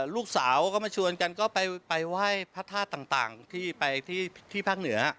ลูกสาวก็มาชวนกันก็ไปไหว้พระธาตุต่างที่ไปที่ภาคเหนือ